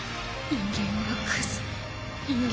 人間はクズ。